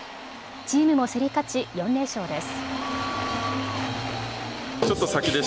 チームも競り勝ち、４連勝です。